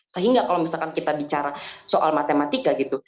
sehingga kalau misalkan kita bicara soal matematika gitu